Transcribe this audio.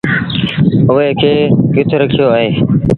اُئي کي ڪِٿ رکيو اهي؟